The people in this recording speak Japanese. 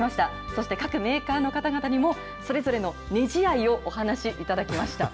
そして各メーカーの方々にも、それぞれのねじ愛をお話しいただきました。